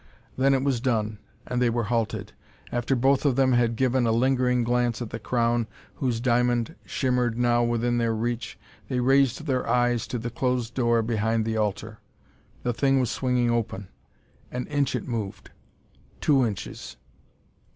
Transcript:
Then it was done, and they were halted. After both of them had given a lingering glance at the crown whose diamond shimmered now within their reach, they raised their eyes to the closed door behind the altar. The thing was swinging open. An inch it moved, two inches.